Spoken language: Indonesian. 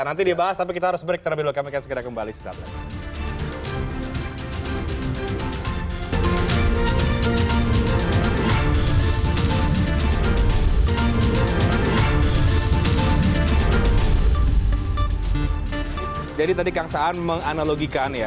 nanti dibahas tapi kita harus break